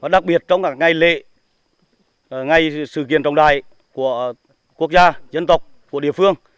đặc biệt trong ngày lễ ngày sự kiện trọng đài của quốc gia dân tộc của địa phương